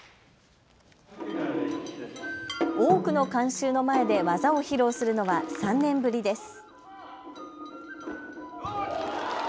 多くの観衆の前で技を披露するのは３年ぶりです。